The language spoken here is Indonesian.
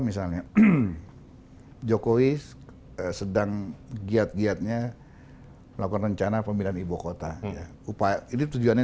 misalnya jokowi sedang giat giatnya melakukan rencana pemilihan ibukota upaya ini tujuannya